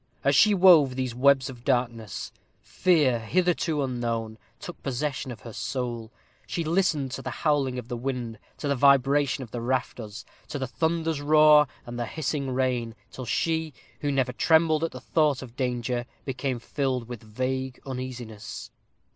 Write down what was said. As she wove these webs of darkness, fear, hitherto unknown, took possession of her soul. She listened to the howling of the wind to the vibration of the rafters to the thunder's roar, and to the hissing rain till she, who never trembled at the thought of danger, became filled with vague uneasiness.